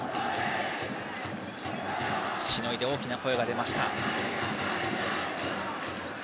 しのいで大きな声が出ました。